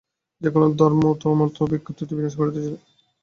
যে-কোন ধর্মমত ব্যক্তিত্ব বিনাশ করিতে চায়, তাহাই পরিণামে ভয়াবহ।